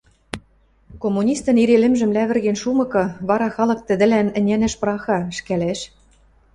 Коммунистӹн ире лӹмжӹм лявӹрген шумыкы, вара халык тӹдӹлӓн ӹнянӓш пыраха, ӹшкӓлӓш.